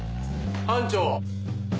班長！